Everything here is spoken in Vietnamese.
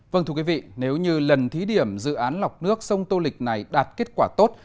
vâng thưa quý vị nếu như lần thí điểm dự án lọc nước sông tô lịch này đạt kết quả tốt